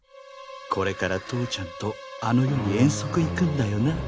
これから父ちゃんとあの世に遠足行くんだよな？